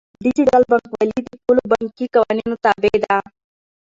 ډیجیټل بانکوالي د ټولو بانکي قوانینو تابع ده.